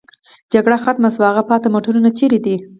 جګړه ختمه شوې، هغه پاتې موټرونه چېرې دي؟